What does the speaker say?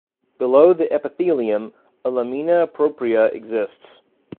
Below the epithelium, a Lamina Propria exists.